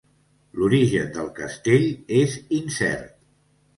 L'origen del castell és incert.